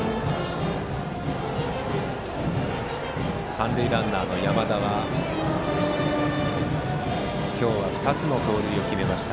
三塁ランナーの山田は今日は２つの盗塁を決めました。